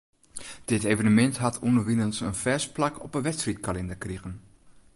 Dit evenemint hat ûnderwilens in fêst plak op 'e wedstriidkalinder krigen.